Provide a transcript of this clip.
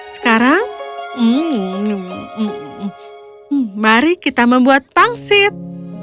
sekarang hmm mari kita membuat pangsit